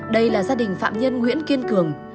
đây là gia đình phạm nhân nguyễn kiên cường